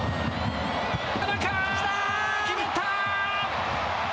決まった！